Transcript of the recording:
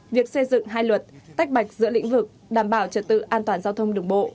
việc xây dựng hai luật tách bạch giữa lĩnh vực đảm bảo trật tự an toàn giao thông đường bộ